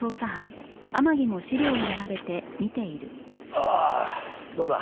ああどうだ？